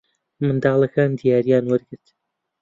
منداڵەکان دیارییان وەرگرت.